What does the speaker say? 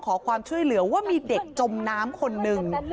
ขอความช่วยเหลือว่ามีเด็กจมน้ำคนหนึ่ง